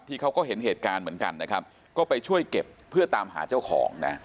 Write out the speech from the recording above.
เขาก็เห็นเหตุการณ์เหมือนกันนะครับก็ไปช่วยเก็บเพื่อตามหาเจ้าของนะ